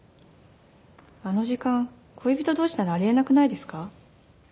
あの時間恋人どうしならありえなくないですか？